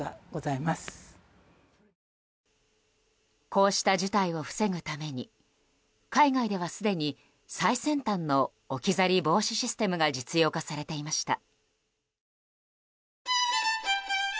こうした事態を防ぐために海外では、すでに最先端の置き去り防止システムが実用化されていました。